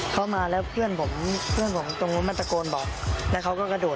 เค้ามาแล้วเพื่อนผมตรงมันตะโกนบอกแล้วเค้าก็กระโดด